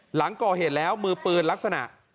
หลังก่อเหตุแล้วมือปืนลักษณะ